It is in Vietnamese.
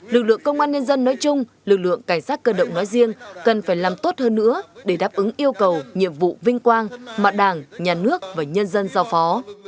lực lượng công an nhân dân nói chung lực lượng cảnh sát cơ động nói riêng cần phải làm tốt hơn nữa để đáp ứng yêu cầu nhiệm vụ vinh quang mạng đảng nhà nước và nhân dân giao phó